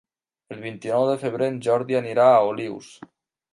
El vint-i-nou de febrer en Jordi anirà a Olius.